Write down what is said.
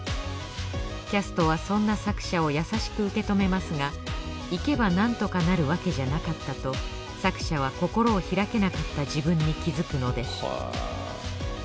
キャストはそんな作者を優しく受け止めますが行けば何とかなるわけじゃなかったと作者は心を開けなかった自分に気づくのです。